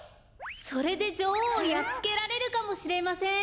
それでじょおうをやっつけられるかもしれません。